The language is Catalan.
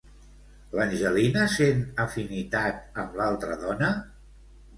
L'Angelina sent afinitat amb l'altra dona?